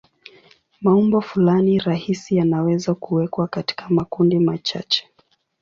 Maumbo fulani rahisi yanaweza kuwekwa katika makundi machache.